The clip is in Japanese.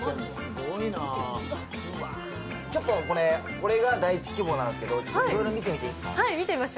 これが第一希望なんですけどいろいろ見ていいですか？